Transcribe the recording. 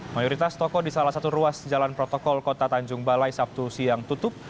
mayoritas toko di salah satu ruas jalan protokol kota tanjung balai sabtu siang tutup